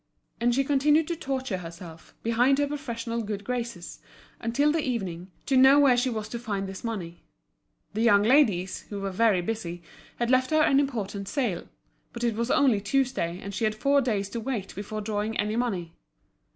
And she continued to torture herself, behind her professional good graces, until the evening, to know where she was to find this money. The young ladies, who were very busy, had left her an important sale; but it was only Tuesday, and she had four days to wait before drawing any money.